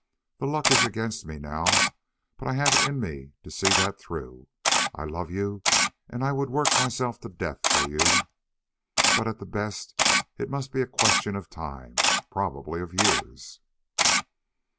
The luck is against me now, but I have it in me to see that through. I love you and I would work myself to death for you; but at the best it must be a question of time, probably of years."